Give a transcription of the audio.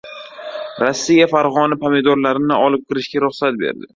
Rossiya Farg‘ona pomidorlarini olib kirishga ruxsat berdi